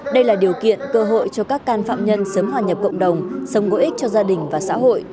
đây là điều kiện cơ hội cho các can phạm nhân sớm hòa nhập cộng đồng sống có ích cho gia đình và xã hội